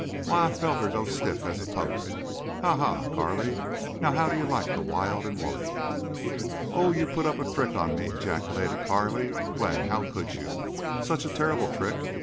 Why, I felt her go stiff as a post!... Ha! Ha! Ha! Carley, now how do you like the wild and woolly?" "Oh! You put up a trick on me!" ejaculated Carley. "Glenn, how could you? ... Such a terrible trick!